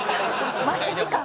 待ち時間が。